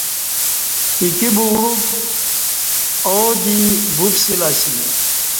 ایکی بگڈوک ا ودی وپسیلہ اسی